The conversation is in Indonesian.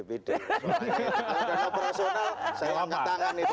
soalnya dana operasional saya angkat tangan itu